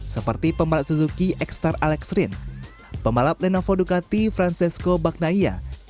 seperti pembalap suzuki x star alex rin pembalap lenovo ducati francesco bagnaia